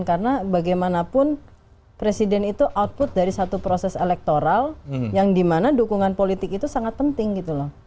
karena bagaimanapun presiden itu output dari satu proses elektoral yang dimana dukungan politik itu sangat penting gitu loh